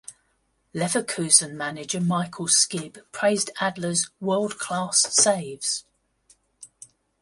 Leverkusen manager Michael Skibbe praised Adler's "world-class saves".